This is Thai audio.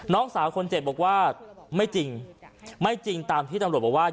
น้องสาวคนเจ็บบอกว่าไม่จริงไม่จริงตามที่ตำรวจบอกว่า